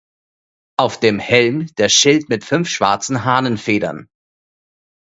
Auf dem Helm der Schild mit fünf schwarzen Hahnenfedern.